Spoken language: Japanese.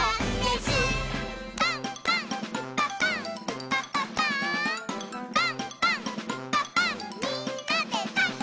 「パンパンんパパンみんなでパン！」